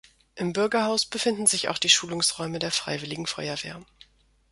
Im Bürgerhaus befinden sich auch die Schulungsräume der Freiwilligen Feuerwehr.